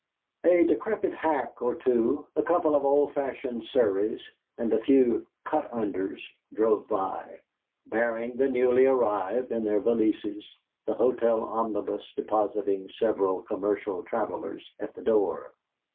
A decrepit hack or two, a couple of old fashioned surreys, and a few "cut unders" drove by, bearing the newly arrived and their valises, the hotel omnibus depositing several commercial travellers at the door.